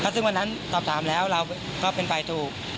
ซึ่งวันนั้นสอบถามแล้วเราก็เป็นฝ่ายถูก